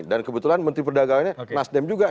dan kebetulan menteri perdagangannya nasdem juga